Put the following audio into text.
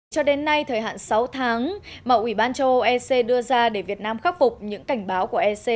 cho đến nay thời hạn sáu tháng mà ủy ban châu âu ec đưa ra để việt nam khắc phục những cảnh báo của ec